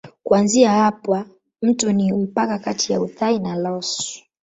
Kuanzia hapa mto ni mpaka kati ya Uthai na Laos.